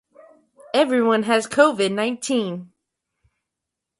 Some species also contain the carbazole girinimbine.